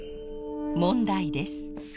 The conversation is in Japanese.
問題です。